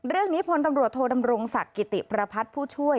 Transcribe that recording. เรื่องนี้พลตำรวจโทดำรงศักดิ์กิติประพัทย์ผู้ช่วย